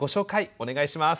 お願いします。